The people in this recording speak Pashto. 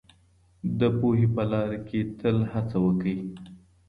د پوهې په لاره کي تل هڅه وکړئ.